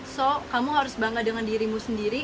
so kamu harus bangga dengan dirimu sendiri